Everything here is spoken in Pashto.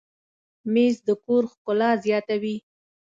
مېز د کور ښکلا زیاتوي.